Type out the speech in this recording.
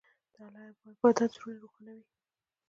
د الله عبادت زړونه روښانوي.